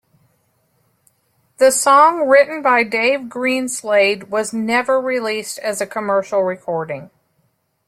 The song, written by Dave Greenslade, was never released as a commercial recording.